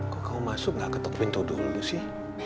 kok kamu masuk gak ketuk pintu dulu sih